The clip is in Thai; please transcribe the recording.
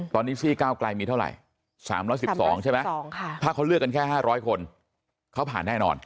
ตอนนี้ซี่ก้าวไกลมีเท่าไหร่๓๑๒ใช่ไหมถ้าเขาเลือกกันแค่๕๐๐คนเขาผ่านแน่นอน